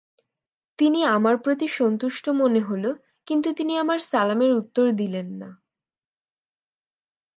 তিনি আমার প্রতি সন্তুষ্ট মনে হল কিন্তু তিনি আমার সালামের উত্তর দিলেন না।